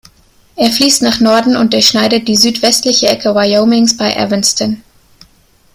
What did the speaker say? Er fließt nach Norden und durchschneidet die südwestliche Ecke Wyomings bei Evanston.